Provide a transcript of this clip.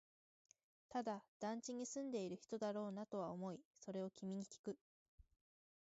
ただ、団地に住んでいる人だろうなとは思い、それを君にきく